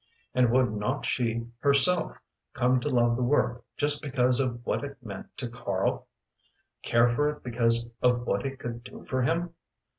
And would not she herself come to love the work just because of what it meant to Karl? Care for it because of what it could do for him?